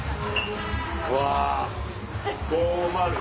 うわ。